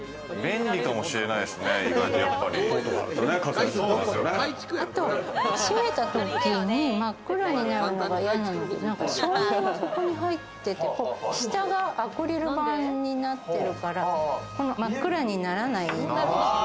意外とやっぱり。閉めた時に真っ暗になるのが嫌なので、照明がここに入ってて、下がアクリル板になってるから、真っ暗にならないの。